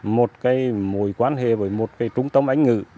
một cái mối quan hệ với một cái trung tâm anh ngữ